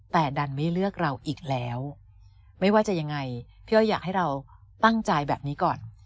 แต่ดันไม่เลือกเราอีกแล้วไม่ว่าจะยังไงพี่อ้อยอยากให้เราตั้งใจแบบนี้ก่อน